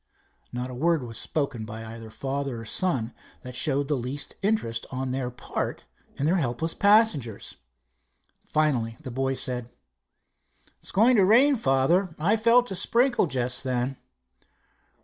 Not a word was spoken by either father or son that showed the least interest on their part in their helpless passenger. Finally the boy said: "It's going to rain, father. I felt a sprinkle just then."